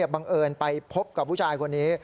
บังเอิญไปพบกับผู้ชายคนนี้